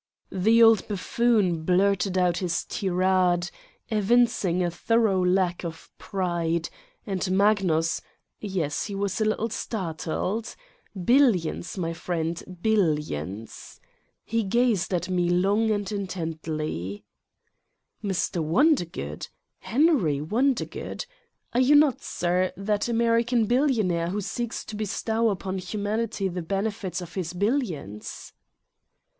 The old buffoon blurted out his tirade, evincing a thorough lack of pride, and Magnus yes, he was a little startled. Billions, my friend, billions. He gazed at Me long and intently : "Mr. Wondergood? Henry Wondergood I Are you not, sir, that American billionaire who seeks to bestow upon humanity the benefits of his bil lions!"